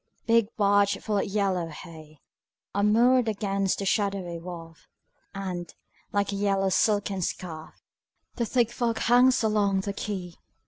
Big barges full of yellow hay Are moored against the shadowy wharf, And, like a yellow silken scarf, The thick fog hangs along the quay.